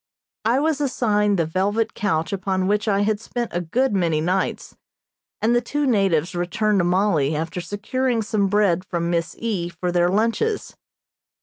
I was assigned the velvet couch upon which I had spent a good many nights, and the two natives returned to Mollie after securing some bread from Miss E. for their lunches.